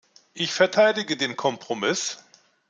Ich verteidige den Kompromiss.